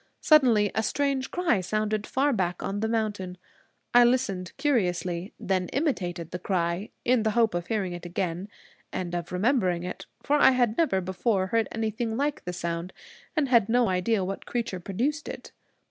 Suddenly a strange cry sounded far back on the mountain. I listened curiously, then imitated the cry, in the hope of hearing it again and of remembering it; for I had never before heard anything like the sound, and had no idea what creature produced it.